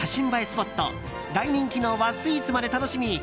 スポット大人気の和スイーツまで楽しみ